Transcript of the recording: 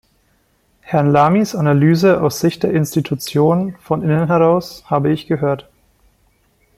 Herrn Lamys Analyse aus Sicht der Institution, von innen heraus, habe ich gehört.